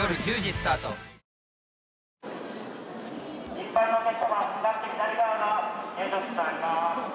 一般のお客様は向かって左側が入場口となります